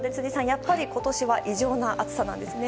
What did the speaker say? やっぱり今年は異常な暑さなんですね。